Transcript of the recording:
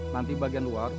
nanti bagian luar